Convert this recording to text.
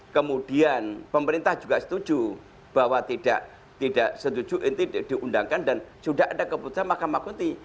kemudian pemerintah juga setuju bahwa tidak setuju ini diundangkan dan sudah ada keputusan mahkamah kunti